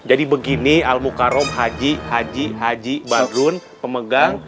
jadi begini al mukarram haji haji haji badrun pemegang